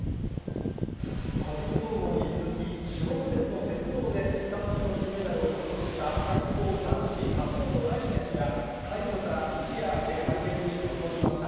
個人総合に続き、種目別の鉄棒で２つ目の金メダルを獲得した体操男子、橋本大輝選手が、快挙から一夜明け、会見に臨みました。